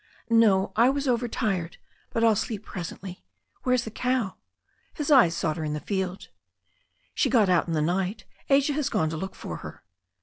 "No, I was overtired. But I'll sleep presently. Where's the cow ?" His eyes sought her in the field. I "She got out in the night. Asia has gone to look for her."